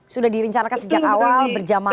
sudah direncanakan sejak awal berjamaah